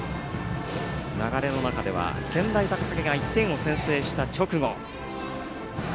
流れの中では健大高崎が１点を先制した直後。